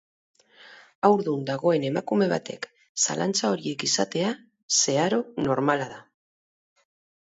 Haurdun dagoen emakume batek zalantza horiek izatea zeharo normala da.